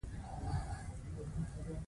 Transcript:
ما هغه ته بلنه ورکړه چې مېلمه مې شي